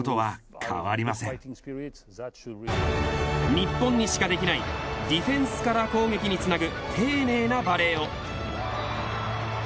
日本にしかできないディフェンスから攻撃につなぐ丁寧なバレーを。